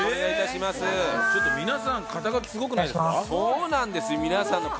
皆さん、肩書すごくないですか。